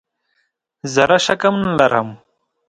زره شک هم نه لرم .